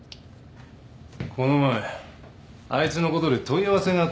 この前あいつのことで問い合わせがあったんだよ